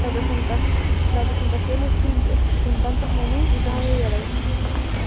La presentación es simple, sin tantos menús y cajas de diálogo.